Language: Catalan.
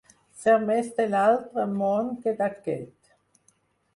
Ser més de l'altre món que d'aquest.